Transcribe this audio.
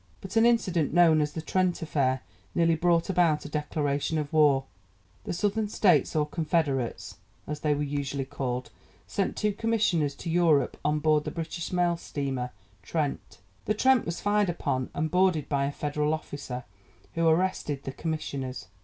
But an incident, known as 'The Trent Affair,' nearly brought about a declaration of war. The Southern States, or 'Confederates,' as they were usually called, sent two commissioners to Europe on board the British mail steamer Trent. The Trent was fired upon and boarded by a Federal officer, who arrested the commissioners.